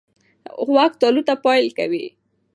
غوږ تالو ته پایل کوي.